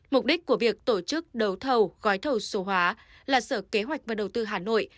mục đích của việc tổ chức đấu thầu gói thầu số hóa là sở kế hoạch và đầu tư hà nội